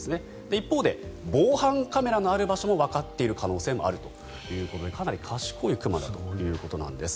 一方で、防犯カメラのある場所もわかっている可能性があるということでかなり賢い熊だということです。